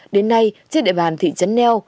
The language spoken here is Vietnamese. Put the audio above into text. đến nay chiếc đệ bàn thị trấn neo